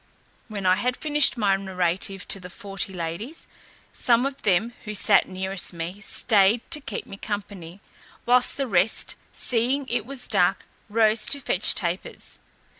When I had finished my narrative to the forty ladies, some of them who sat nearest me staid to keep me company, whilst the rest, seeing it was dark, rose to fetch tapers.